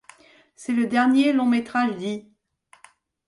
C'est le dernier long-métrage d'E.